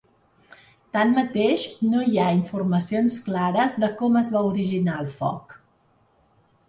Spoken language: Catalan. Tanmateix, no hi ha informacions clares de com es va originar el foc.